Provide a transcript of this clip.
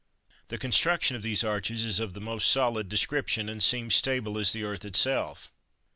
The construction of these arches is of the most solid description, and seems stable as the earth itself.